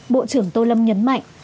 bộ trưởng tô lâm nhấn mạnh